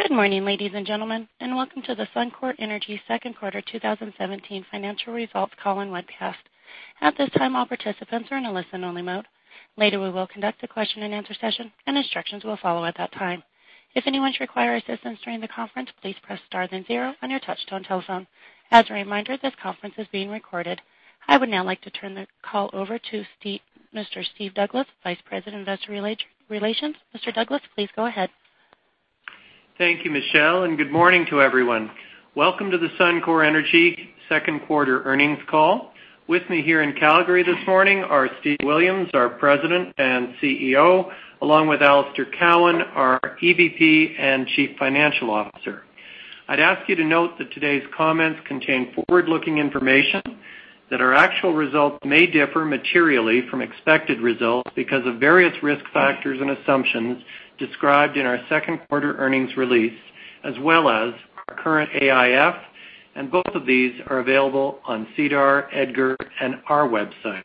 Good morning, ladies and gentlemen, welcome to the Suncor Energy Second Quarter 2017 Financial Results call and webcast. At this time, all participants are in a listen-only mode. Later, we will conduct a question-and-answer session, and instructions will follow at that time. If anyone should require assistance during the conference, please press star then 0 on your touch-tone telephone. As a reminder, this conference is being recorded. I would now like to turn the call over to Mr. Steve Douglas, Vice President, Investor Relations. Mr. Douglas, please go ahead. Thank you, Michelle, good morning to everyone. Welcome to the Suncor Energy Second Quarter Earnings Call. With me here in Calgary this morning are Steve Williams, our President and CEO, along with Alister Cowan, our EVP and Chief Financial Officer. I'd ask you to note that today's comments contain forward-looking information, that our actual results may differ materially from expected results because of various risk factors and assumptions described in our second quarter earnings release, as well as our current AIF. Both of these are available on SEDAR, EDGAR, and our website,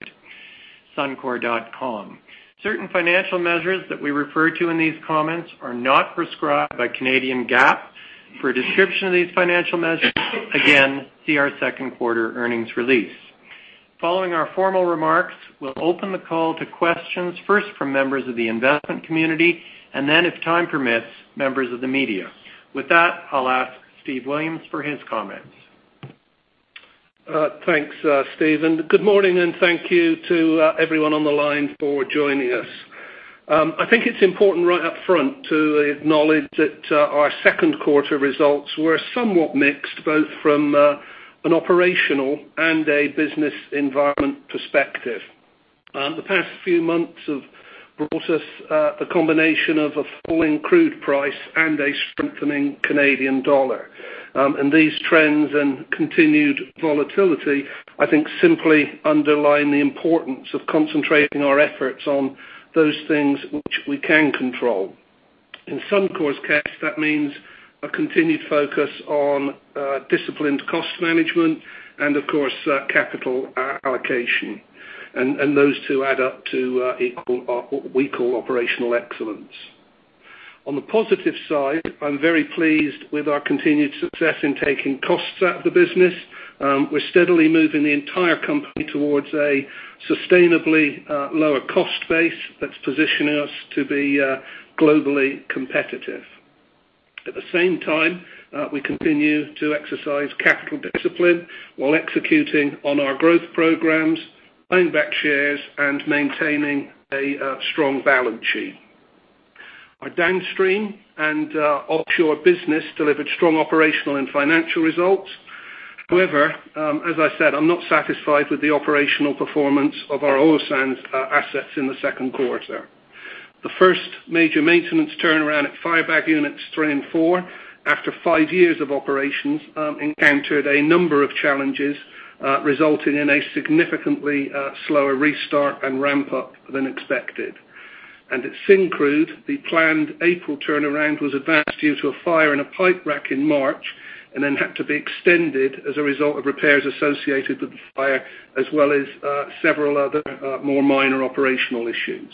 suncor.com. Certain financial measures that we refer to in these comments are not prescribed by Canadian GAAP. For a description of these financial measures, again, see our second quarter earnings release. Following our formal remarks, we'll open the call to questions, first from members of the investment community, and then if time permits, members of the media. With that, I'll ask Steve Williams for his comments. Thanks, Steve, good morning, thank you to everyone on the line for joining us. I think it's important right up front to acknowledge that our second quarter results were somewhat mixed, both from an operational and a business environment perspective. The past few months have brought us a combination of a falling crude price and a strengthening Canadian dollar. These trends and continued volatility, I think, simply underline the importance of concentrating our efforts on those things which we can control. In Suncor's case, that means a continued focus on disciplined cost management and, of course, capital allocation. Those two add up to what we call operational excellence. On the positive side, I'm very pleased with our continued success in taking costs out of the business. We're steadily moving the entire company towards a sustainably lower cost base that's positioning us to be globally competitive. At the same time, we continue to exercise capital discipline while executing on our growth programs, buying back shares, and maintaining a strong balance sheet. Our downstream and offshore business delivered strong operational and financial results. However, as I said, I'm not satisfied with the operational performance of our oil sands assets in the second quarter. The first major maintenance turnaround at Firebag units three and four, after five years of operations, encountered a number of challenges, resulting in a significantly slower restart and ramp-up than expected. At Syncrude, the planned April turnaround was advanced due to a fire in a pipe rack in March, then had to be extended as a result of repairs associated with the fire, as well as several other more minor operational issues.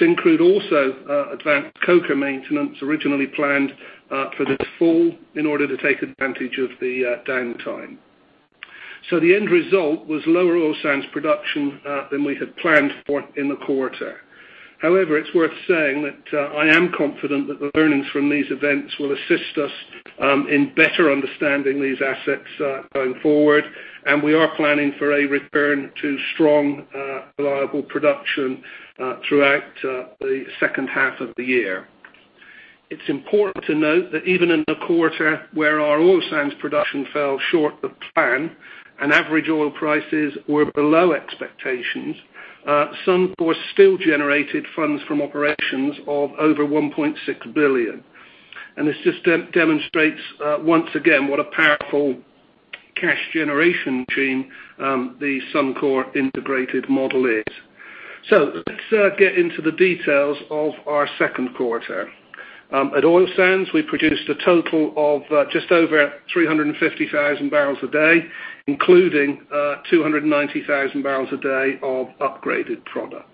Syncrude also advanced coker maintenance originally planned for this fall in order to take advantage of the downtime. The end result was lower oil sands production than we had planned for in the quarter. However, it's worth saying that I am confident that the learnings from these events will assist us in better understanding these assets going forward, and we are planning for a return to strong, reliable production throughout the second half of the year. It's important to note that even in the quarter where our oil sands production fell short of plan and average oil prices were below expectations, Suncor still generated funds from operations of over 1.6 billion. This just demonstrates once again what a powerful cash generation machine the Suncor integrated model is. Let's get into the details of our second quarter. At Oil Sands, we produced a total of just over 350,000 barrels a day, including 290,000 barrels a day of upgraded product.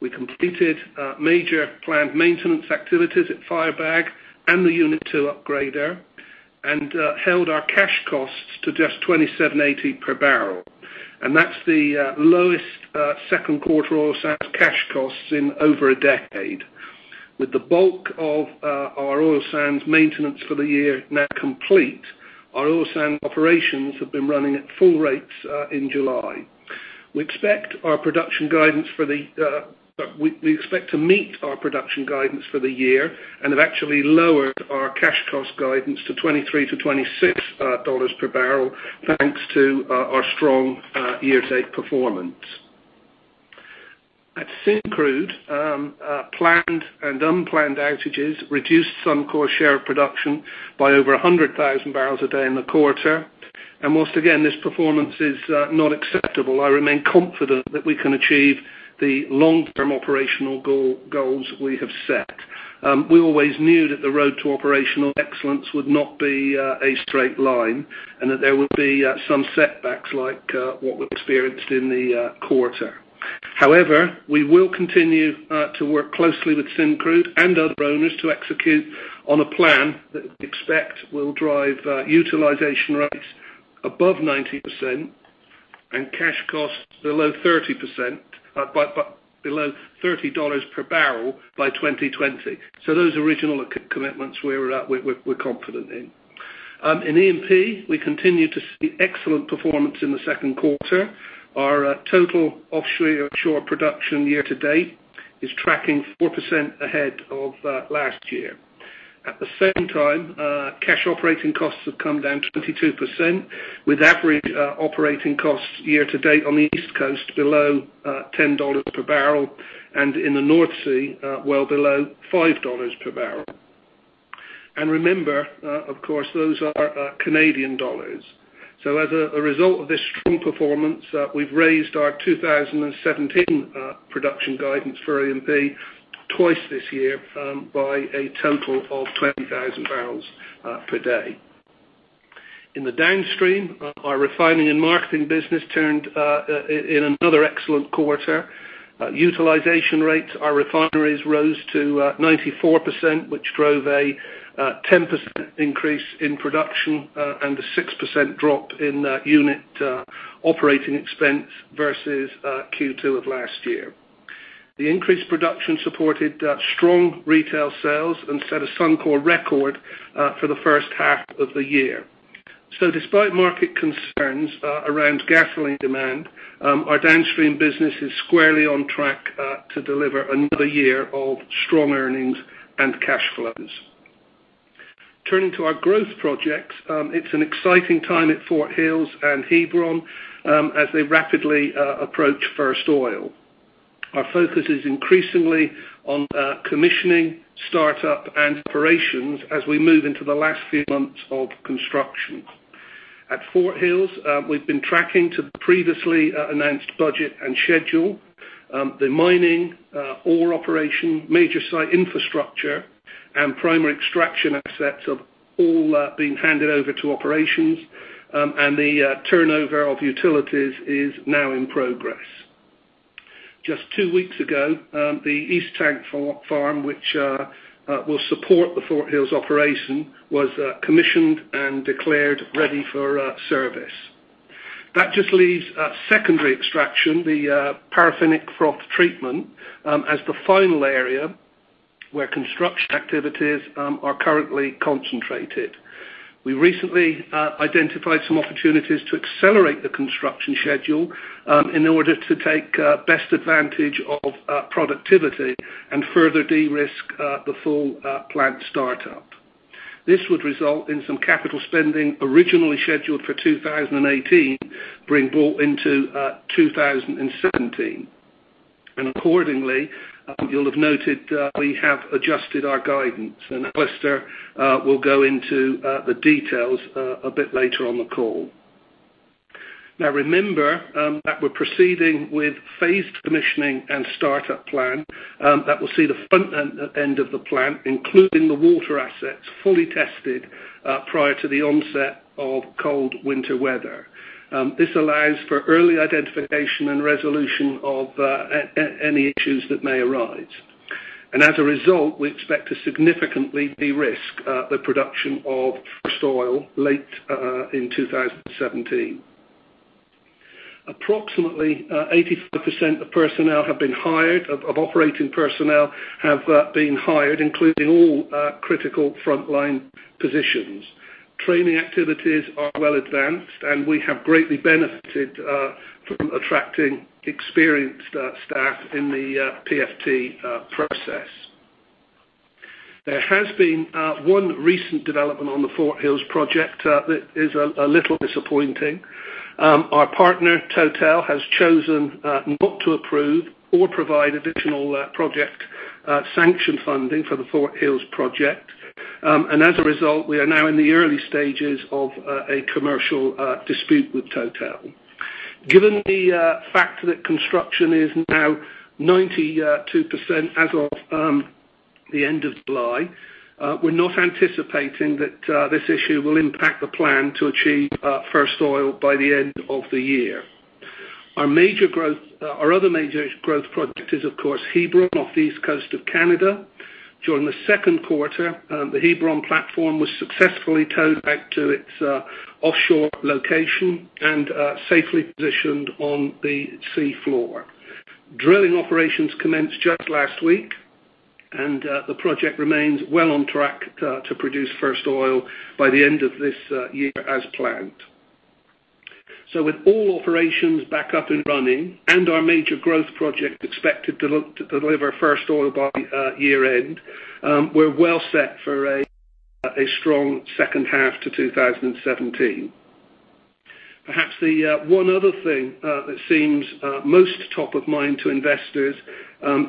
We completed major planned maintenance activities at Firebag and the Unit 2 upgrader, and held our cash costs to just 27.80 per barrel. That's the lowest second quarter oil sands cash costs in over a decade. With the bulk of our oil sands maintenance for the year now complete, our oil sand operations have been running at full rates in July. We expect to meet our production guidance for the year and have actually lowered our cash cost guidance to 23-26 dollars per barrel, thanks to our strong year-to-date performance. At Syncrude, planned and unplanned outages reduced Suncor's share of production by over 100,000 barrels a day in the quarter. Whilst, again, this performance is not acceptable, I remain confident that we can achieve the long-term operational goals we have set. We always knew that the road to operational excellence would not be a straight line, that there would be some setbacks like what we've experienced in the quarter. However, we will continue to work closely with Syncrude and other owners to execute on a plan that we expect will drive utilization rates above 90% and cash costs below 30 dollars per barrel by 2020. Those original commitments we're confident in. In E&P, we continue to see excellent performance in the second quarter. Our total offshore production year to date is tracking 4% ahead of last year. At the same time, cash operating costs have come down 22%, with average operating costs year to date on the East Coast below 10 dollars per barrel, and in the North Sea, well below 5 dollars per barrel. Remember, of course, those are Canadian dollars. As a result of this strong performance, we've raised our 2017 production guidance for E&P twice this year by a total of 20,000 barrels per day. In the downstream, our refining and marketing business turned in another excellent quarter. Utilization rates at our refineries rose to 94%, which drove a 10% increase in production and a 6% drop in unit operating expense versus Q2 of last year. The increased production supported strong retail sales and set a Suncor record for the first half of the year. Despite market concerns around gasoline demand, our downstream business is squarely on track to deliver another year of strong earnings and cash flows. Turning to our growth projects, it's an exciting time at Fort Hills and Hebron as they rapidly approach first oil. Our focus is increasingly on commissioning, startup, and operations as we move into the last few months of construction. At Fort Hills, we've been tracking to previously announced budget and schedule. The mining ore operation, major site infrastructure, and primary extraction assets have all been handed over to operations, and the turnover of utilities is now in progress. Just two weeks ago, the East Tank Farm, which will support the Fort Hills operation, was commissioned and declared ready for service. That just leaves secondary extraction, the paraffinic froth treatment, as the final area where construction activities are currently concentrated. We recently identified some opportunities to accelerate the construction schedule in order to take best advantage of productivity and further de-risk the full plant start-up. This would result in some capital spending originally scheduled for 2018 being brought into 2017. Accordingly, you'll have noted that we have adjusted our guidance. Alister will go into the details a bit later on the call. Remember that we're proceeding with a phased commissioning and start-up plan that will see the front end of the plant, including the water assets, fully tested prior to the onset of cold winter weather. This allows for early identification and resolution of any issues that may arise. As a result, we expect to significantly de-risk the production of first oil late in 2017. Approximately 85% of operating personnel have been hired, including all critical frontline positions. Training activities are well advanced, and we have greatly benefited from attracting experienced staff in the PFT process. There has been one recent development on the Fort Hills project that is a little disappointing. Our partner, Total, has chosen not to approve or provide additional project sanction funding for the Fort Hills project. As a result, we are now in the early stages of a commercial dispute with Total. Given the fact that construction is now 92% as of the end of July, we're not anticipating that this issue will impact the plan to achieve first oil by the end of the year. Our other major growth project is, of course, Hebron, off the east coast of Canada. During the second quarter, the Hebron platform was successfully towed back to its offshore location and safely positioned on the sea floor. Drilling operations commenced just last week, and the project remains well on track to produce first oil by the end of this year as planned. With all operations back up and running, and our major growth project expected to deliver first oil by year end, we're well set for a strong second half to 2017. Perhaps the one other thing that seems most top of mind to investors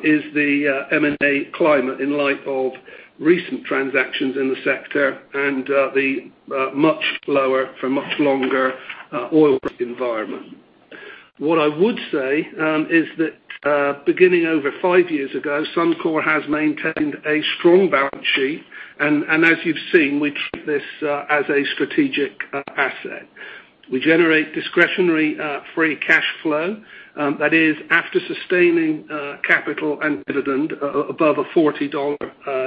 is the M&A climate in light of recent transactions in the sector and the much lower, for much longer, oil environment. What I would say is that beginning over five years ago, Suncor has maintained a strong balance sheet, and as you've seen, we treat this as a strategic asset. We generate discretionary free cash flow, that is after sustaining capital and dividend above a $40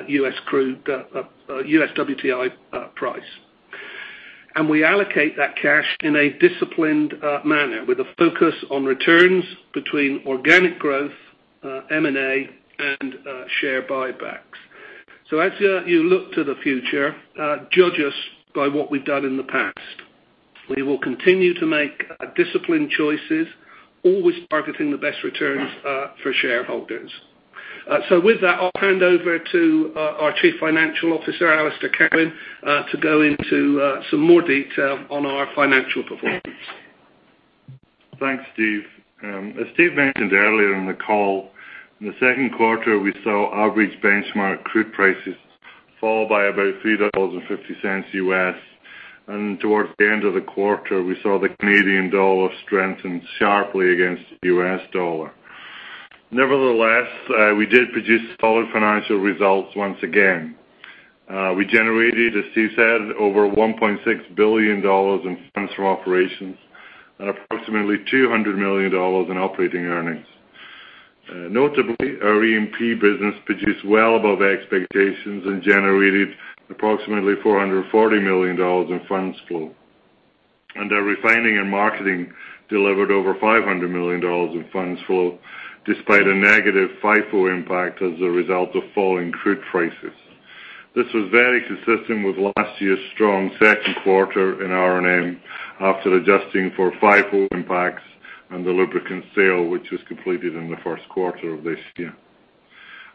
U.S. crude, U.S. WTI price. We allocate that cash in a disciplined manner with a focus on returns between organic growth, M&A, and share buybacks. As you look to the future, judge us by what we've done in the past. We will continue to make disciplined choices, always targeting the best returns for shareholders. With that, I'll hand over to our Chief Financial Officer, Alister Cowan, to go into some more detail on our financial performance. Thanks, Steve. As Steve mentioned earlier in the call, in the second quarter, we saw average benchmark crude prices fall by about US$3.50. Towards the end of the quarter, we saw the Canadian dollar strengthen sharply against the U.S. dollar. Nevertheless, we did produce solid financial results once again. We generated, as Steve said, over 1.6 billion dollars in funds from operations and approximately 200 million dollars in operating earnings. Notably, our E&P business produced well above expectations and generated approximately 440 million dollars in funds flow. Our refining and marketing delivered over 500 million dollars in funds flow, despite a negative FIFO impact as a result of falling crude prices. This was very consistent with last year's strong second quarter in R&M, after adjusting for FIFO impacts and the lubricants sale, which was completed in the first quarter of this year.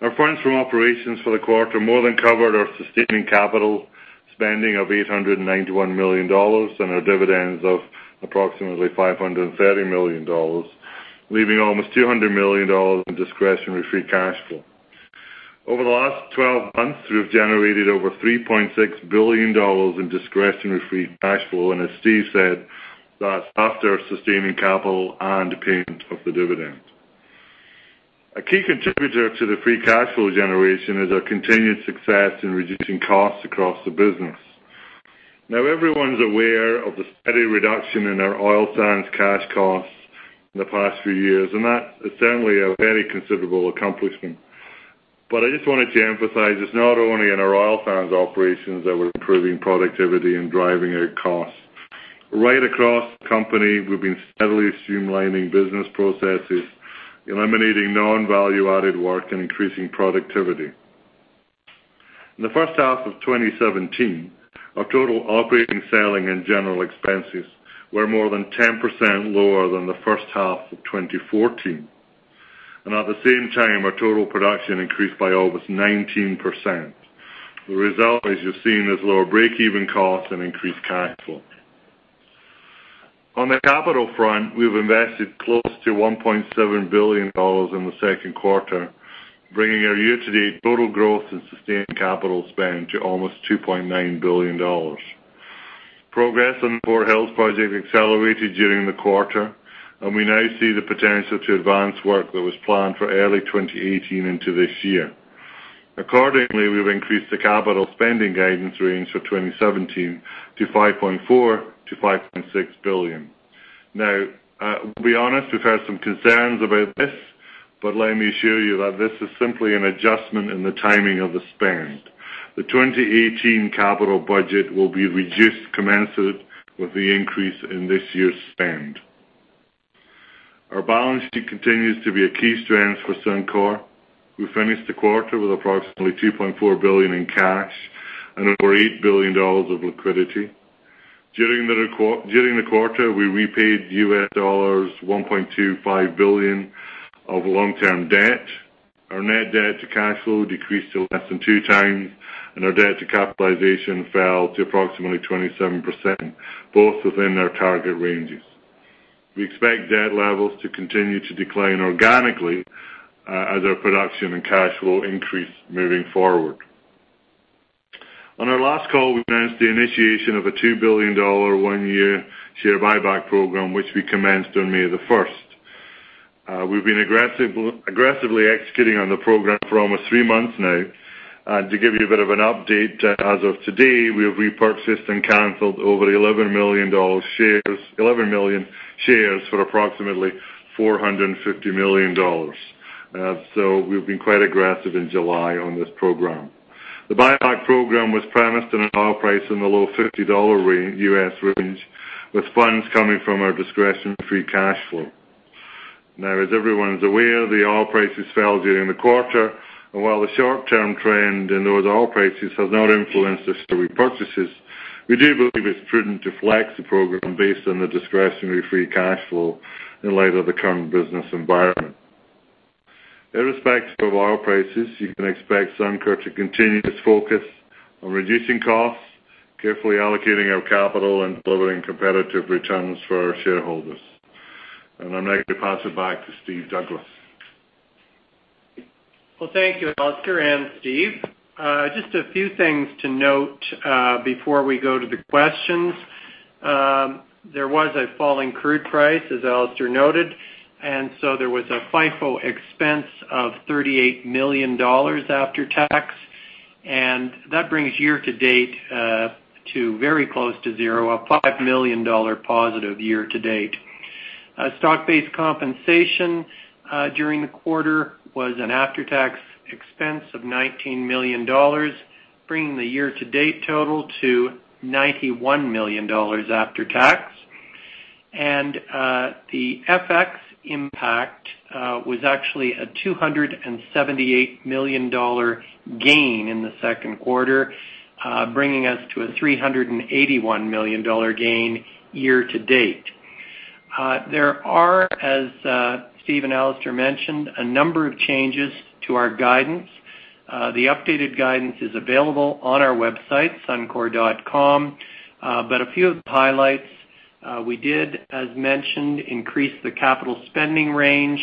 Our funds from operations for the quarter more than covered our sustaining capital spending of 891 million dollars and our dividends of approximately 530 million dollars, leaving almost 200 million dollars in discretionary free cash flow. Over the last 12 months, we've generated over 3.6 billion dollars in discretionary free cash flow. As Steve said, that's after sustaining capital and payment of the dividend. A key contributor to the free cash flow generation is our continued success in reducing costs across the business. Everyone's aware of the steady reduction in our oil sands cash costs in the past few years, and that is certainly a very considerable accomplishment. I just wanted to emphasize, it's not only in our oil sands operations that we're improving productivity and driving out costs. Right across the company, we've been steadily streamlining business processes, eliminating non-value-added work, and increasing productivity. In the first half of 2017, our total operating, selling, and general expenses were more than 10% lower than the first half of 2014. At the same time, our total production increased by almost 19%. The result, as you've seen, is lower breakeven costs and increased cash flow. On the capital front, we've invested close to 1.7 billion dollars in the second quarter, bringing our year-to-date total growth and sustained capital spend to almost 2.9 billion dollars. Progress on the Fort Hills project accelerated during the quarter, and we now see the potential to advance work that was planned for early 2018 into this year. Accordingly, we've increased the capital spending guidance range for 2017 to 5.4 billion-5.6 billion. We'll be honest, we've had some concerns about this, let me assure you that this is simply an adjustment in the timing of the spend. The 2018 capital budget will be reduced commensurate with the increase in this year's spend. Our balance sheet continues to be a key strength for Suncor. We finished the quarter with approximately 2.4 billion in cash and over 8 billion dollars of liquidity. During the quarter, we repaid $1.25 billion of long-term debt. Our net debt to cash flow decreased to less than two times, and our debt to capitalization fell to approximately 27%, both within our target ranges. We expect debt levels to continue to decline organically as our production and cash flow increase moving forward. On our last call, we announced the initiation of a 2 billion dollar, one-year share buyback program, which we commenced on May 1st. We've been aggressively executing on the program for almost three months now. To give you a bit of an update, as of today, we have repurchased and canceled over 11 million shares for approximately 450 million dollars. We've been quite aggressive in July on this program. The buyback program was premised on an oil price in the low $50 US range, with funds coming from our discretionary free cash flow. As everyone's aware, the oil prices fell during the quarter. While the short-term trend in those oil prices has not influenced the repurchases, we do believe it's prudent to flex the program based on the discretionary free cash flow in light of the current business environment. Irrespective of oil prices, you can expect Suncor to continue its focus on reducing costs, carefully allocating our capital, and delivering competitive returns for our shareholders. I'm going to pass it back to Steve Douglas. Well, thank you, Alister and Steve. Just a few things to note before we go to the questions. There was a falling crude price, as Alister noted, there was a FIFO expense of 38 million dollars after tax. That brings year-to-date to very close to zero, a 5 million dollar positive year-to-date. Stock-based compensation during the quarter was an after-tax expense of 19 million dollars, bringing the year-to-date total to 91 million dollars after tax. The FX impact was actually a 278 million dollar gain in the second quarter, bringing us to a 381 million dollar gain year-to-date. There are, as Steve and Alister mentioned, a number of changes to our guidance. The updated guidance is available on our website, suncor.com. A few of the highlights. We did, as mentioned, increase the capital spending range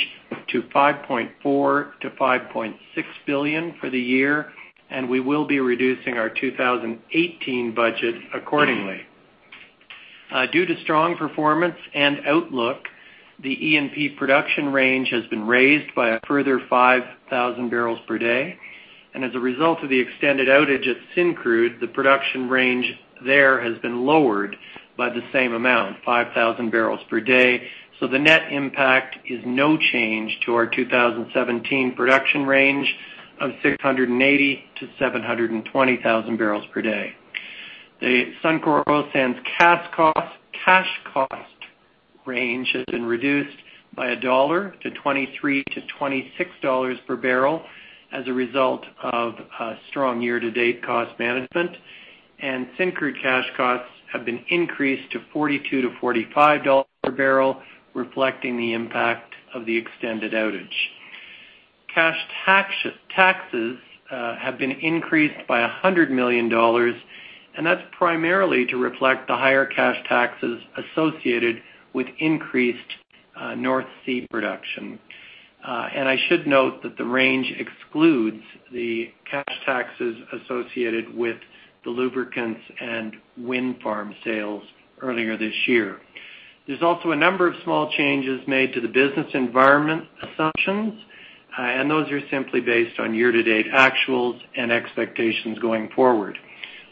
to 5.4 billion-5.6 billion for the year, and we will be reducing our 2018 budget accordingly. Due to strong performance and outlook, the E&P production range has been raised by a further 5,000 barrels per day, and as a result of the extended outage at Syncrude, the production range there has been lowered by the same amount, 5,000 barrels per day. The net impact is no change to our 2017 production range of 680,000-720,000 barrels per day. The Suncor Oil Sands cash cost range has been reduced by CAD 1 to 23-26 dollar per barrel as a result of strong year-to-date cost management. Syncrude cash costs have been increased to 42-45 dollar per barrel, reflecting the impact of the extended outage. Cash taxes have been increased by 100 million dollars, and that's primarily to reflect the higher cash taxes associated with increased North Sea production. I should note that the range excludes the cash taxes associated with the lubricants and wind farm sales earlier this year. There's also a number of small changes made to the business environment assumptions, and those are simply based on year-to-date actuals and expectations going forward.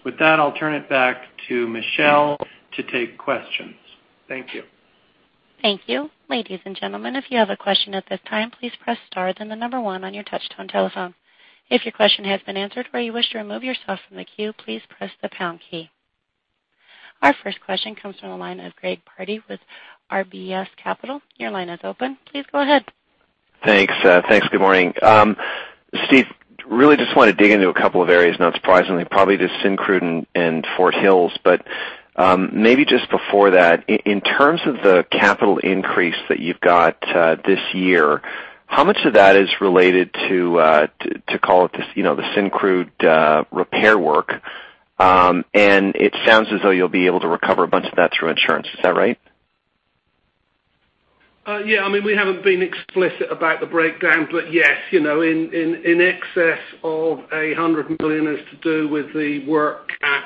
With that, I'll turn it back to Michelle to take questions. Thank you. Thank you. Ladies and gentlemen, if you have a question at this time, please press star, then the number one on your touch-tone telephone. If your question has been answered or you wish to remove yourself from the queue, please press the pound key. Our first question comes from the line of Greg Pardy with RBC Capital Markets. Your line is open. Please go ahead. Thanks. Good morning. Steve, really just want to dig into a couple of areas, not surprisingly, probably just Syncrude and Fort Hills, but maybe just before that, in terms of the capital increase that you've got this year, how much of that is related to the Syncrude repair work? It sounds as though you'll be able to recover a bunch of that through insurance. Is that right? Yeah, we haven't been explicit about the breakdown, but yes, in excess of 100 million is to do with the work at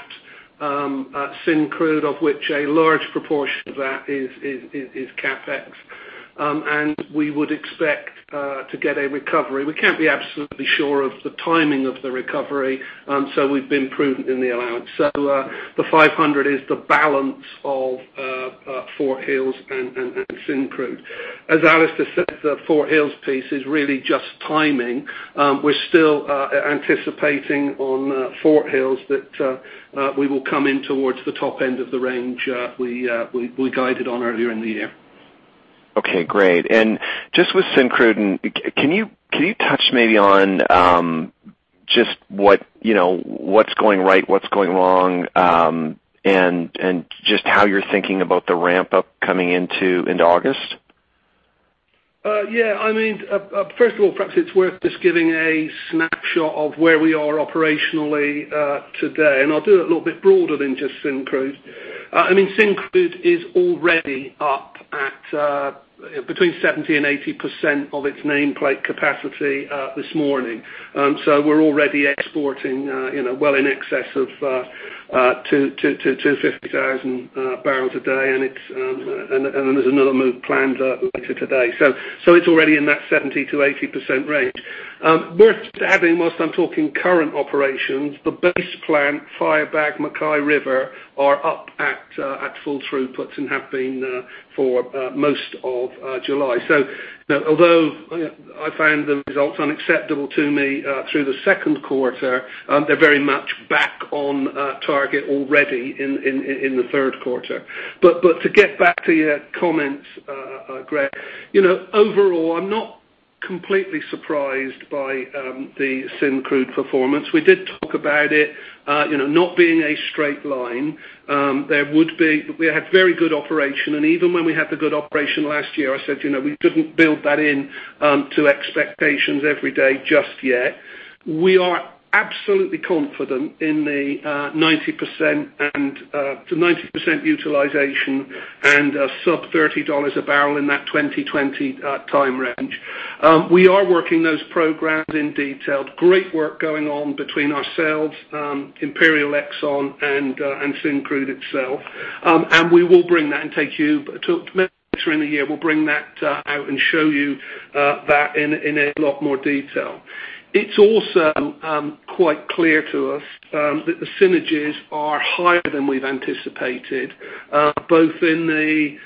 Syncrude, of which a large proportion of that is CapEx. We would expect to get a recovery. We can't be absolutely sure of the timing of the recovery. We've been prudent in the allowance. The 500 million is the balance of Fort Hills and Syncrude. As Alister said, the Fort Hills piece is really just timing. We're still anticipating on Fort Hills that we will come in towards the top end of the range we guided on earlier in the year. Okay, great. Just with Syncrude, can you touch maybe on just what's going right, what's going wrong, and just how you're thinking about the ramp-up coming into August? Yeah. First of all, perhaps it's worth just giving a snapshot of where we are operationally today, and I'll do it a little bit broader than just Syncrude. Syncrude is already up at between 70%-80% of its nameplate capacity this morning. We're already exporting well in excess of 250,000 barrels a day, and there's another move planned later today. It's already in that 70%-80% range. Worth adding, whilst I'm talking current operations, the base plant Firebag, MacKay River are up at full throughput and have been for most of July. Although I found the results unacceptable to me through the second quarter, they're very much back on target already in the third quarter. To get back to your comments, Greg, overall, I'm not completely surprised by the Syncrude performance. We did talk about it not being a straight line. We had very good operation, and even when we had the good operation last year, I said we couldn't build that into expectations every day just yet. We are absolutely confident in the 90% utilization and sub-CAD 30 a barrel in that 2020 time range. We are working those programs in detail. Great work going on between ourselves, Imperial Exxon and Syncrude itself. We will bring that and take you to Later in the year, we'll bring that out and show you that in a lot more detail. It's also quite clear to us that the synergies are higher than we've anticipated, both in the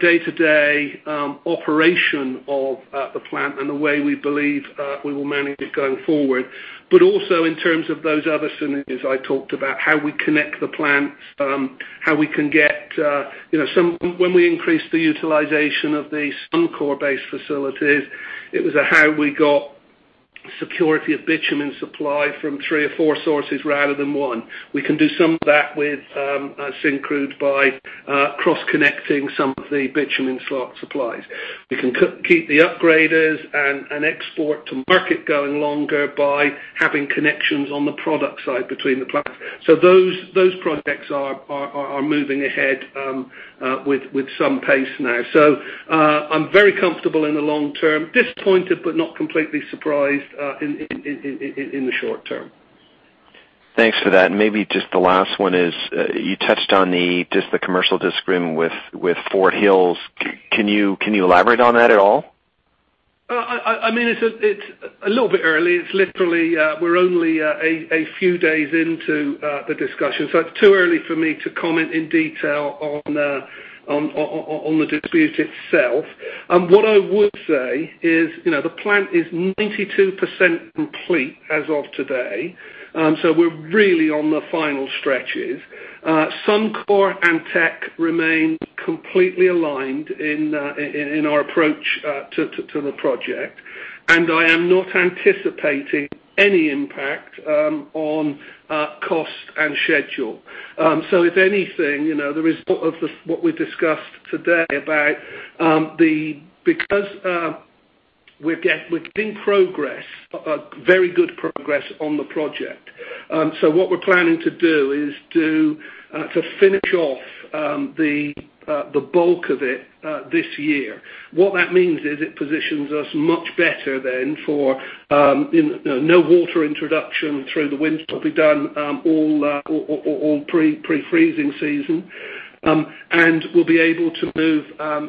day-to-day operation of the plant and the way we believe we will manage it going forward, but also in terms of those other synergies I talked about, how we connect the plants, how we can get when we increase the utilization of the Suncor base facilities, it was how we got security of bitumen supply from three or four sources rather than one. We can do some of that with Syncrude by cross-connecting some of the bitumen spot supplies. We can keep the upgraders and export to market going longer by having connections on the product side between the plants. Those projects are moving ahead with some pace now. I'm very comfortable in the long term. Disappointed, but not completely surprised in the short term. Thanks for that. Maybe just the last one is, you touched on the commercial disagreement with Fort Hills. Can you elaborate on that at all? It's a little bit early. We're only a few days into the discussion, so it's too early for me to comment in detail on the dispute itself. What I would say is, the plant is 92% complete as of today. We're really on the final stretches. Suncor and Teck remain completely aligned in our approach to the project, and I am not anticipating any impact on cost and schedule. If anything, the result of what we've discussed today because we're getting progress, very good progress, on the project. What we're planning to do is to finish off the bulk of it this year. What that means is it positions us much better then for no water introduction through the winter. It'll be done all pre-freezing season. We'll be able to move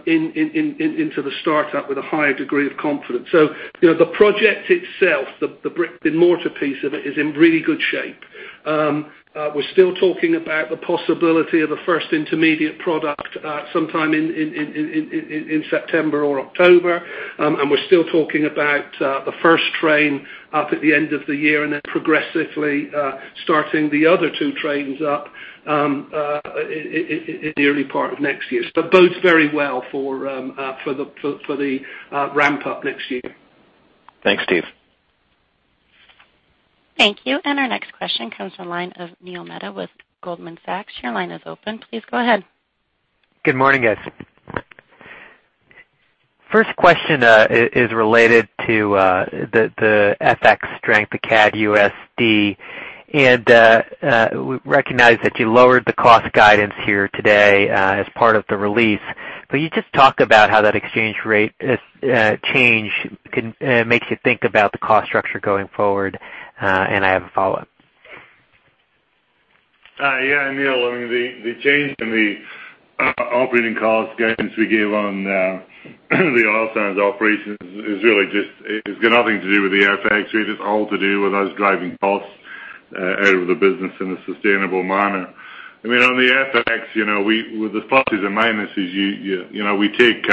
into the startup with a higher degree of confidence. The project itself, the brick-and-mortar piece of it, is in really good shape. We're still talking about the possibility of a first intermediate product sometime in September or October. We're still talking about the first train up at the end of the year and then progressively starting the other two trains up in the early part of next year. Bodes very well for the ramp-up next year. Thanks, Steve. Thank you. Our next question comes from the line of Neil Mehta with Goldman Sachs. Your line is open. Please go ahead. Good morning, guys. First question is related to the FX strength, the CAD USD. We recognize that you lowered the cost guidance here today as part of the release. Could you just talk about how that exchange rate change makes you think about the cost structure going forward? I have a follow-up. Yeah, Neil. The change in the operating cost guidance we gave on the Oil Sands operations it's got nothing to do with the FX rate, it's all to do with us driving costs out of the business in a sustainable manner. On the FX, with the pluses and minuses, we take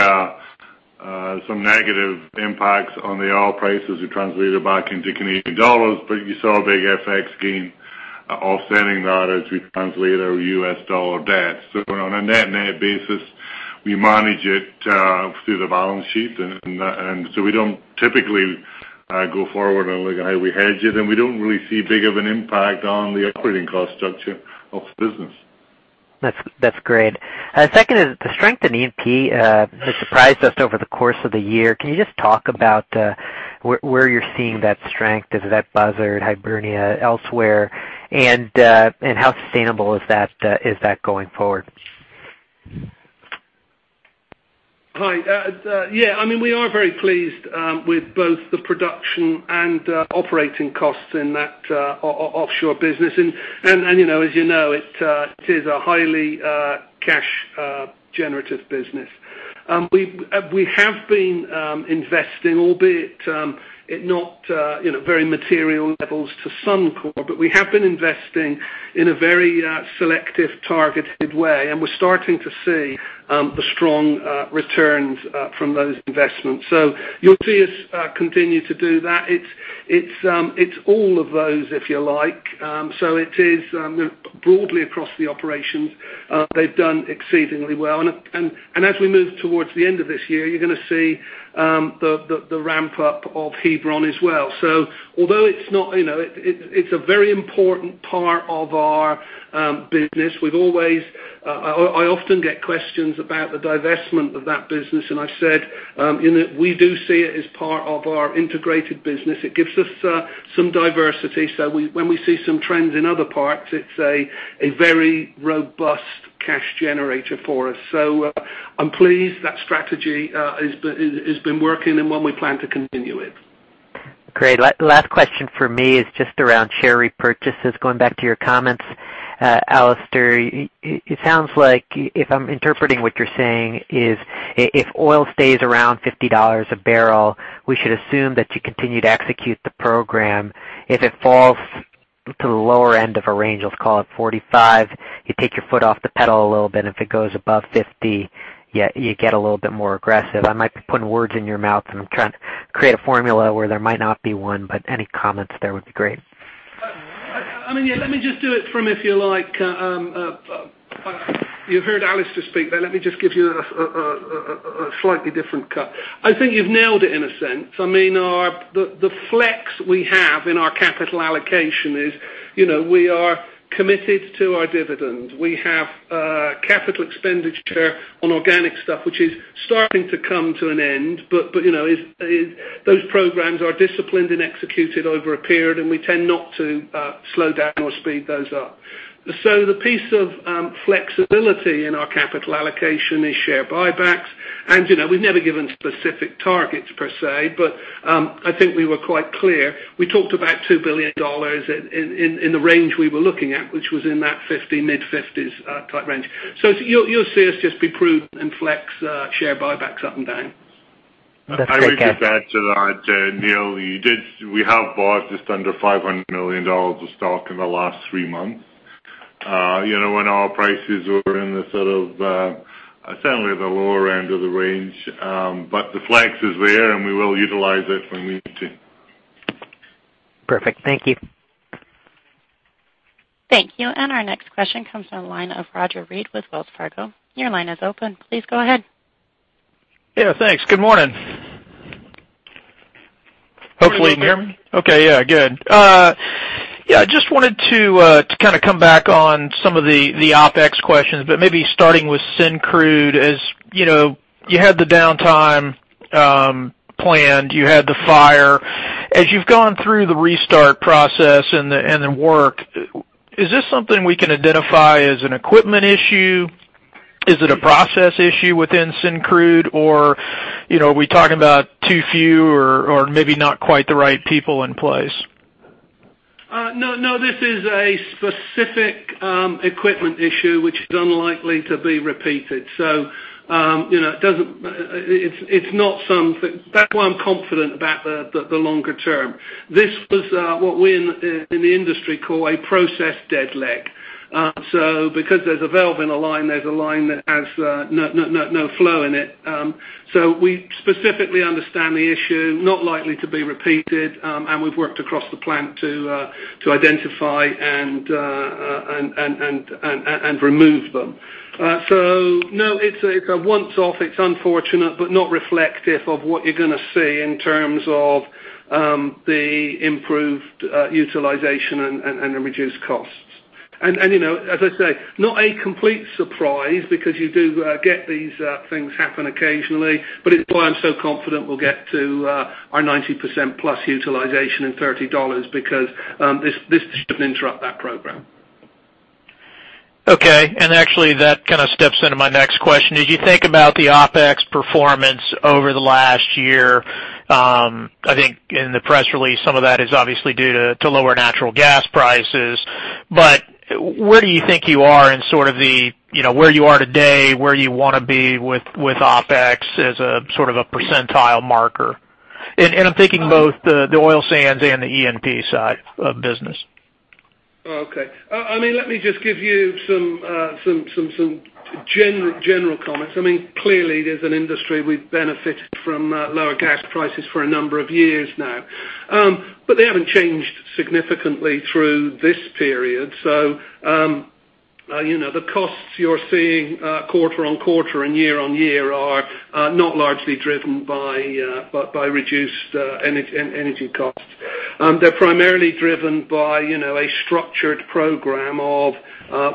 some negative impacts on the oil prices we translated back into Canadian dollars, but you saw a big FX gain offsetting that as we translate our US dollar debt. On a net-net basis, we manage it through the balance sheet. We don't typically go forward and look at how we hedge it, and we don't really see big of an impact on the operating cost structure of the business. That's great. Second is, the strength in E&P has surprised us over the course of the year. Can you just talk about where you're seeing that strength? Is it at Buzzard, Hibernia, elsewhere? How sustainable is that going forward? Hi. Yeah, we are very pleased with both the production and operating costs in that offshore business. As you know, it is a highly cash generative business. We have been investing, albeit at not very material levels to Suncor, but we have been investing in a very selective, targeted way, and we're starting to see the strong returns from those investments. You'll see us continue to do that. It's all of those, if you like. It is broadly across the operations. They've done exceedingly well. As we move towards the end of this year, you're going to see the ramp-up of Hebron as well. Although it's a very important part of our business, I often get questions about the divestment of that business, and I've said we do see it as part of our integrated business. It gives us some diversity so when we see some trends in other parts, it's a very robust cash generator for us. I'm pleased that strategy has been working and one we plan to continue with. Great. Last question for me is just around share repurchases. Going back to your comments, Alister, it sounds like, if I'm interpreting what you're saying is, if oil stays around 50 dollars a barrel, we should assume that you continue to execute the program. If it falls to the lower end of a range, let's call it 45, you take your foot off the pedal a little bit. If it goes above 50, you get a little bit more aggressive. I might be putting words in your mouth, and I'm trying to create a formula where there might not be one, but any comments there would be great. Let me just do it from, if you like-- You've heard Alister speak there. Let me just give you a slightly different cut. I think you've nailed it in a sense. The flex we have in our capital allocation is, we are committed to our dividend. We have capital expenditure on organic stuff, which is starting to come to an end. Those programs are disciplined and executed over a period, and we tend not to slow down or speed those up. The piece of flexibility in our capital allocation is share buybacks. We've never given specific targets per se, but I think we were quite clear. We talked about 2 billion dollars in the range we were looking at, which was in that 50, mid-CAD 50s type range. You'll see us just be prudent and flex share buybacks up and down. That's great. I would just add to that, Neil, we have bought just under 500 million dollars of stock in the last three months. When our prices were in the sort of, certainly the lower end of the range. The flex is there, we will utilize it when we need to. Perfect. Thank you. Thank you. Our next question comes from the line of Roger Read with Wells Fargo. Your line is open. Please go ahead. Thanks. Good morning. Hopefully you can hear me. Okay, good. I just wanted to come back on some of the OpEx questions, but maybe starting with Syncrude. As you had the downtime planned, you had the fire. As you've gone through the restart process and the work, is this something we can identify as an equipment issue? Is it a process issue within Syncrude? Are we talking about too few or maybe not quite the right people in place? No, this is a specific equipment issue which is unlikely to be repeated. That's why I'm confident about the longer term. This was what we in the industry call a process dead leg. Because there's a valve in a line, there's a line that has no flow in it. We specifically understand the issue, not likely to be repeated, and we've worked across the plant to identify and remove them. No, it's a once-off. It's unfortunate, but not reflective of what you're going to see in terms of the improved utilization and the reduced costs. As I say, not a complete surprise because you do get these things happen occasionally, but it's why I'm so confident we'll get to our 90%+ utilization and 30 dollars because this shouldn't interrupt that program. Okay. Actually, that kind of steps into my next question. As you think about the OpEx performance over the last year, I think in the press release, some of that is obviously due to lower natural gas prices. Where do you think you are in sort of the, where you are today, where you want to be with OpEx as a sort of a percentile marker? I'm thinking both the oil sands and the E&P side of business. Okay. Let me just give you some general comments. Clearly, as an industry, we've benefited from lower gas prices for a number of years now. They haven't changed significantly through this period. The costs you're seeing quarter-on-quarter and year-on-year are not largely driven by reduced energy costs. They're primarily driven by a structured program of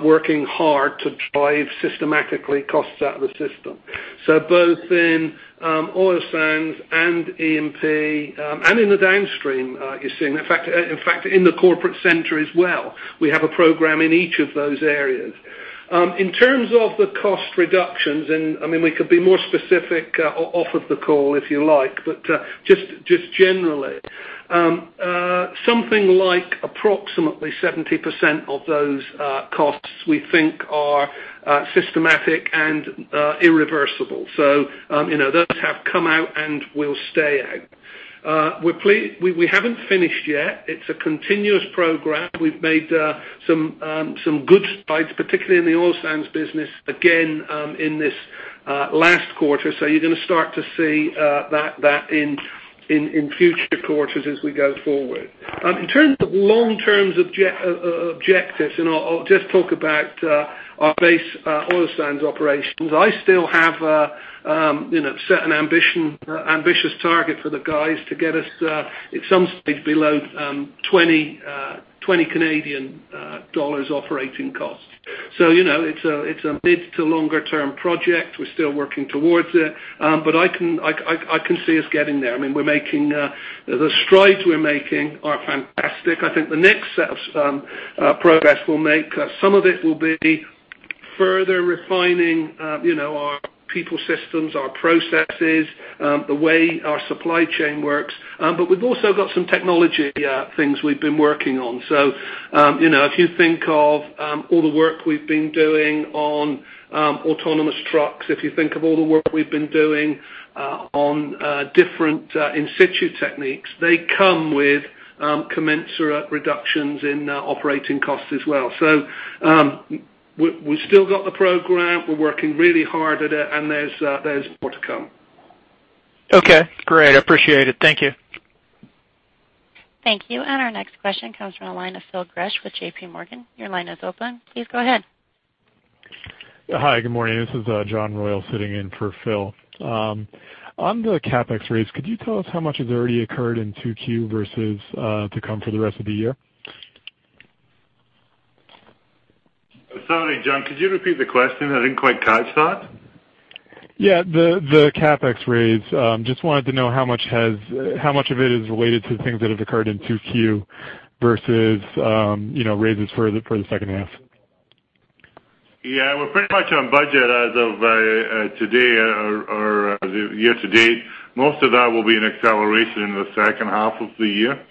working hard to drive systematically costs out of the system. Both in oil sands and E&P, and in the downstream, you're seeing. In fact, in the corporate center as well. We have a program in each of those areas. In terms of the cost reductions, we could be more specific off of the call if you like, but just generally, something like approximately 70% of those costs we think are systematic and irreversible. Those have come out and will stay out. We haven't finished yet. It's a continuous program. We've made some good strides, particularly in the oil sands business, again, in this last quarter. You're going to start to see that in future quarters as we go forward. In terms of long-term objectives, I'll just talk about our base oil sands operations. I still have set an ambitious target for the guys to get us at some stage below 20 Canadian dollars operating cost. It's a mid to longer term project. We're still working towards it. I can see us getting there. The strides we're making are fantastic. I think the next set of progress we'll make, some of it will be Further refining our people systems, our processes, the way our supply chain works. We've also got some technology things we've been working on. If you think of all the work we've been doing on autonomous trucks, if you think of all the work we've been doing on different in situ techniques, they come with commensurate reductions in operating costs as well. We've still got the program, we're working really hard at it, and there's more to come. Okay, great. I appreciate it. Thank you. Thank you. Our next question comes from the line of Phil Gresh with JP Morgan. Your line is open. Please go ahead. Hi, good morning. This is John Royall sitting in for Phil. On the CapEx raise, could you tell us how much has already occurred in 2Q versus to come for the rest of the year? Sorry, John, could you repeat the question? I didn't quite catch that. Yeah. The CapEx raise. Just wanted to know how much of it is related to things that have occurred in 2Q versus raises for the second half. Yeah. We're pretty much on budget as of today or year to date. Most of that will be an acceleration in the second half of the year.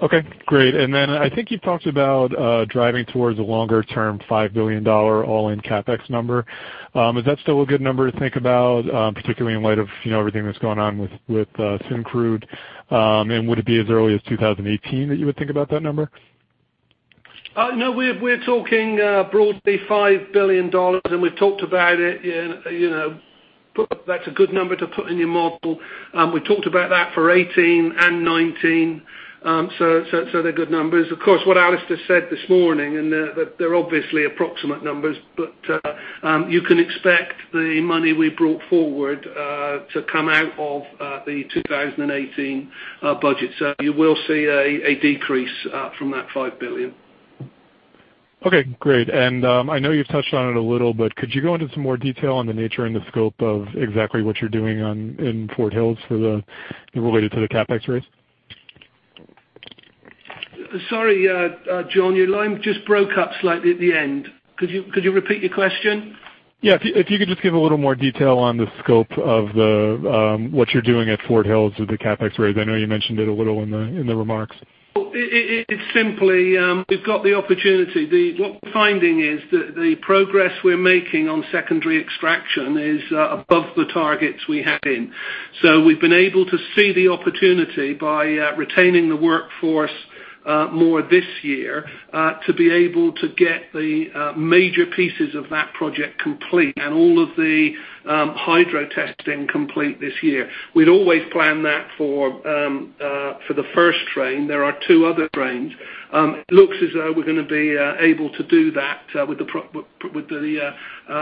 Okay, great. Then I think you talked about driving towards a longer-term CAD 5 billion all-in CapEx number. Is that still a good number to think about, particularly in light of everything that's going on with Syncrude? Would it be as early as 2018 that you would think about that number? No. We're talking broadly 5 billion dollars, and we've talked about it. That's a good number to put in your model. We talked about that for 2018 and 2019. They're good numbers. Of course, what Alister Cowan said this morning, and they're obviously approximate numbers, but you can expect the money we brought forward to come out of the 2018 budget. You will see a decrease from that 5 billion. Okay, great. I know you've touched on it a little, but could you go into some more detail on the nature and the scope of exactly what you're doing in Fort Hills related to the CapEx raise? Sorry John, your line just broke up slightly at the end. Could you repeat your question? Yeah. If you could just give a little more detail on the scope of what you're doing at Fort Hills with the CapEx raise. I know you mentioned it a little in the remarks. It's simply, we've got the opportunity. What we're finding is that the progress we're making on secondary extraction is above the targets we had in. We've been able to see the opportunity by retaining the workforce more this year to be able to get the major pieces of that project complete and all of the hydro testing complete this year. We'd always planned that for the first train. There are two other trains. It looks as though we're going to be able to do that with the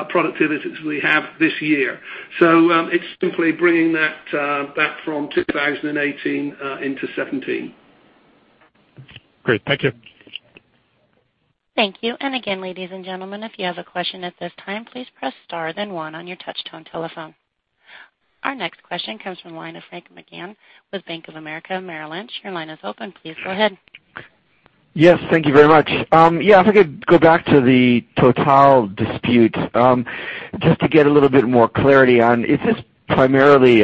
productivity we have this year. It's simply bringing that back from 2018 into 2017. Great. Thank you. Thank you. Again, ladies and gentlemen, if you have a question at this time, please press star then one on your touch-tone telephone. Our next question comes from the line of Frank McGann with Bank of America Merrill Lynch. Your line is open. Please go ahead. Yes, thank you very much. Yeah, if I could go back to the Total dispute. Just to get a little bit more clarity on, is this primarily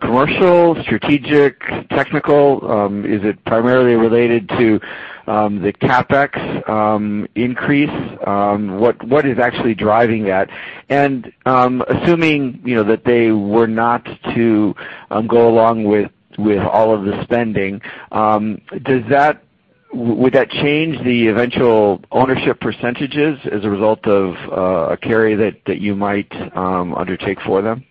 commercial, strategic, technical? Is it primarily related to the CapEx increase? What is actually driving that? Assuming that they were not to go along with all of the spending, would that change the eventual ownership percentages as a result of a carry that you might undertake for them?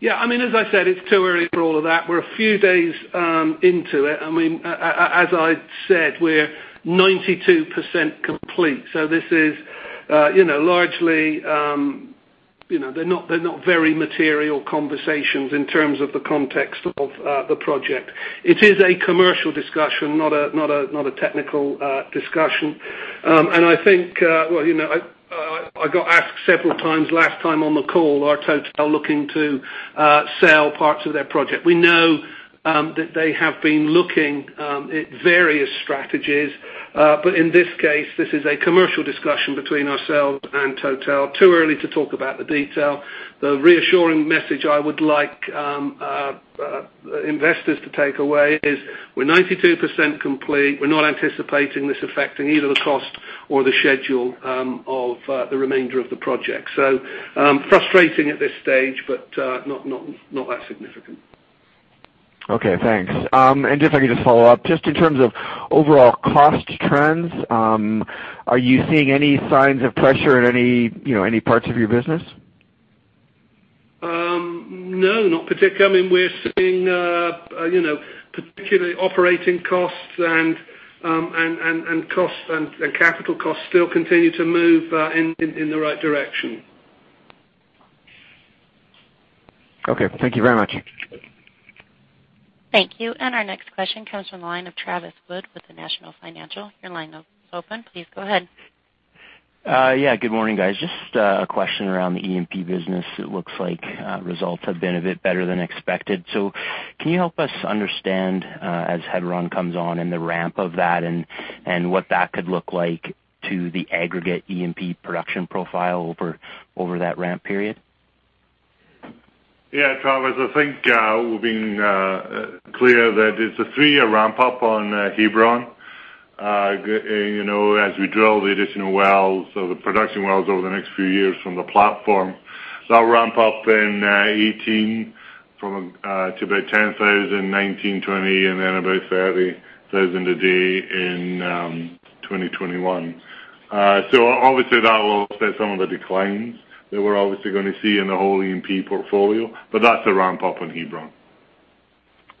Yeah. As I said, it's too early for all of that. We're a few days into it. As I said, we're 92% complete, so they're not very material conversations in terms of the context of the project. It is a commercial discussion, not a technical discussion. I think, I got asked several times last time on the call, are Total looking to sell parts of their project. We know that they have been looking at various strategies. In this case, this is a commercial discussion between ourselves and Total. Too early to talk about the detail. The reassuring message I would like investors to take away is we're 92% complete. We're not anticipating this affecting either the cost or the schedule of the remainder of the project. Frustrating at this stage, but not that significant. Okay, thanks. If I could just follow up, just in terms of overall cost trends, are you seeing any signs of pressure in any parts of your business? No, not particularly. We're seeing particularly operating costs and capital costs still continue to move in the right direction. Okay. Thank you very much. Thank you. Our next question comes from the line of Travis Wood with National Bank Financial. Your line is open. Please go ahead. Yeah. Good morning, guys. Just a question around the E&P business. It looks like results have been a bit better than expected. Can you help us understand, as Hebron comes on and the ramp of that and what that could look like to the aggregate E&P production profile over that ramp period? Yeah, Travis, I think we've been clear that it's a 3-year ramp-up on Hebron. As we drill the additional wells or the production wells over the next few years from the platform. That will ramp up in 2018 to about 10,000, 2019, 2020, and then about 30,000 a day in 2021. Obviously that will offset some of the declines that we're obviously going to see in the whole E&P portfolio, but that's a ramp-up on Hebron.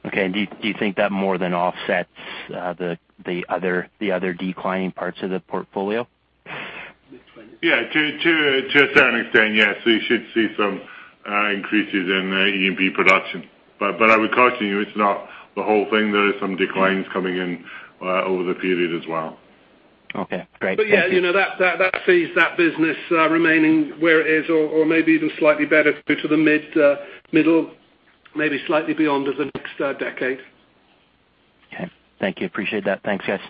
Okay. Do you think that more than offsets the other declining parts of the portfolio? Yeah. To a certain extent, yes. We should see some increases in E&P production. I would caution you, it's not the whole thing. There are some declines coming in over the period as well. Okay, great. Thank you. Yeah, that sees that business remaining where it is or maybe even slightly better through to the middle, maybe slightly beyond, of the next decade. Okay. Thank you. Appreciate that. Thanks, guys.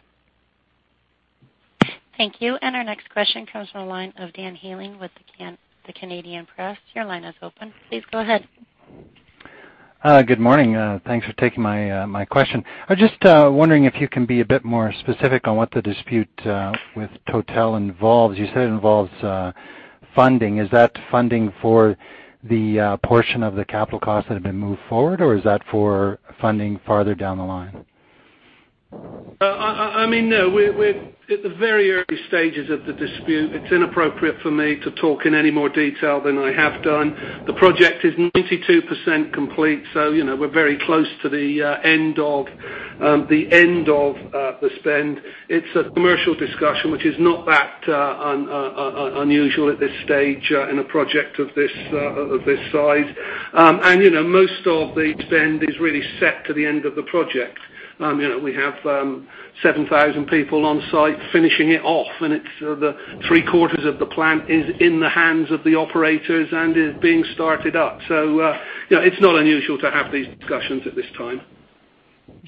Thank you. Our next question comes from the line of Dan Healing with The Canadian Press. Your line is open. Please go ahead. Good morning. Thanks for taking my question. I was just wondering if you can be a bit more specific on what the dispute with Total involves. You said it involves funding. Is that funding for the portion of the capital cost that had been moved forward, or is that for funding farther down the line? No, we're at the very early stages of the dispute. It's inappropriate for me to talk in any more detail than I have done. The project is 92% complete, we're very close to the end of the spend. It's a commercial discussion, which is not that unusual at this stage in a project of this size. Most of the spend is really set to the end of the project. We have 7,000 people on site finishing it off, and it's the three-quarters of the plant is in the hands of the operators and is being started up. It's not unusual to have these discussions at this time.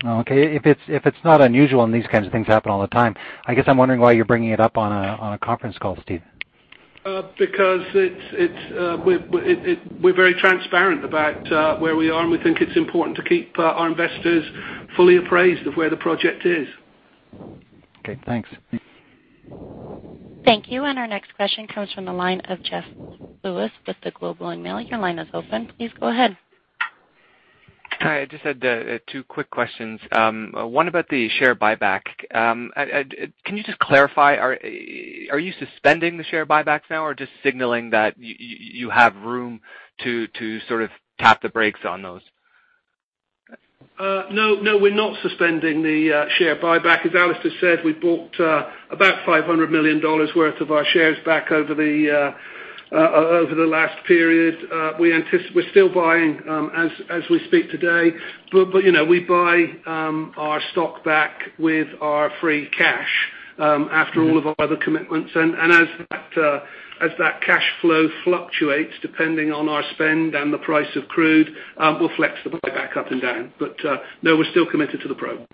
Okay. If it's not unusual and these kinds of things happen all the time, I guess I'm wondering why you're bringing it up on a conference call, Steve. We're very transparent about where we are, and we think it's important to keep our investors fully appraised of where the project is. Okay, thanks. Thank you. Our next question comes from the line of Jeff Lewis with The Globe and Mail. Your line is open. Please go ahead. Hi. I just had two quick questions. One about the share buyback. Can you just clarify, are you suspending the share buybacks now or just signaling that you have room to sort of tap the brakes on those? We're not suspending the share buyback. As Alister said, we bought about 500 million dollars worth of our shares back over the last period. We're still buying as we speak today. We buy our stock back with our free cash after all of our other commitments. As that cash flow fluctuates, depending on our spend and the price of crude, we'll flex the buyback up and down. We're still committed to the program.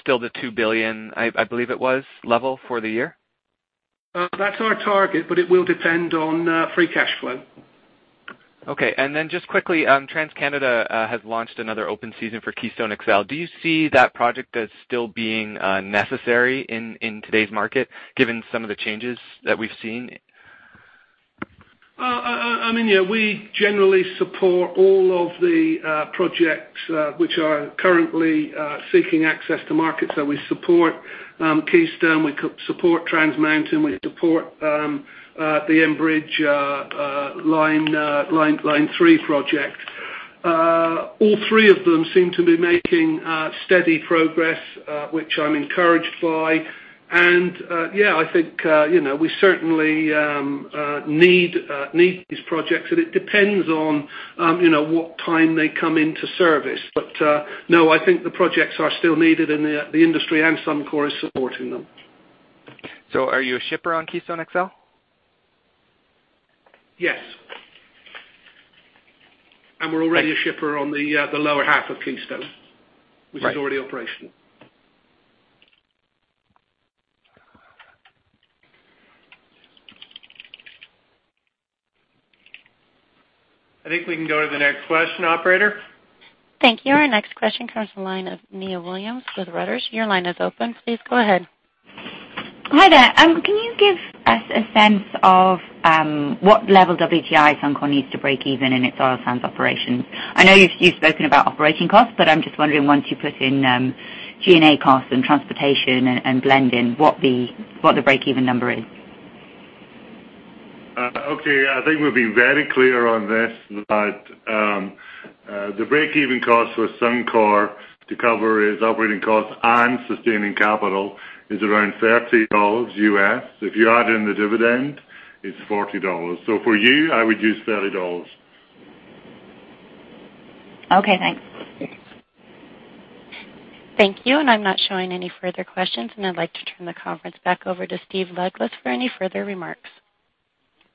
Still the 2 billion, I believe it was, level for the year? That's our target, but it will depend on free cash flow. Just quickly, TransCanada has launched another open season for Keystone XL. Do you see that project as still being necessary in today's market, given some of the changes that we've seen? We generally support all of the projects which are currently seeking access to market. We support Keystone, we support Trans Mountain, we support the Enbridge Line 3 project. All three of them seem to be making steady progress which I'm encouraged by. I think we certainly need these projects, and it depends on what time they come into service. No, I think the projects are still needed in the industry, and Suncor is supporting them. Are you a shipper on Keystone XL? Yes. We're already a shipper on the lower half of Keystone. Right which is already operational. I think we can go to the next question, operator. Thank you. Our next question comes from the line of Nia Williams with Reuters. Your line is open. Please go ahead. Hi there. Can you give us a sense of what level WTI Suncor needs to break even in its oil sands operations? I know you've spoken about operating costs, but I'm just wondering once you put in G&A costs and transportation and blending, what the break-even number is. Okay. I think we've been very clear on this, that the break-even cost for Suncor to cover its operating costs and sustaining capital is around $30. If you add in the dividend, it's $40. For you, I would use $30. Okay, thanks. Thank you. I'm not showing any further questions, and I'd like to turn the conference back over to Steve Douglas for any further remarks.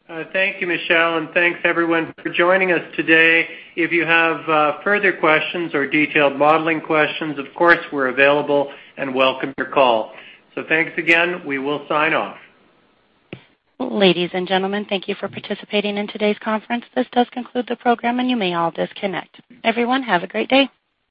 Thank you, Michelle, and thanks everyone for joining us today. If you have further questions or detailed modeling questions, of course, we're available and welcome your call. Thanks again. We will sign off. Ladies and gentlemen, thank you for participating in today's conference. This does conclude the program, and you may all disconnect. Everyone, have a great day.